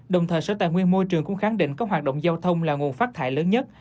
đồng thời sở tài nguyên môi trường cũng khẳng định các hoạt động giao thông là nguồn phát thải lớn nhất